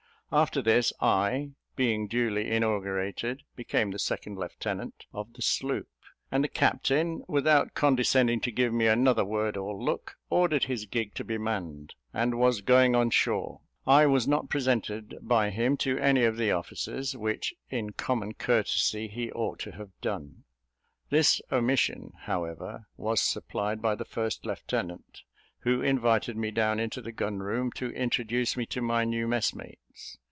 After this, I, being duly inaugurated, became the second lieutenant of the sloop; and the captain, without condescending to give me another word or look, ordered his gig to be manned, and was going on shore. I was not presented by him to any of the officers, which, in common courtesy, he ought to have done. This omission, however, was supplied by the first lieutenant, who invited me down into the gun room, to introduce me to my new messmates.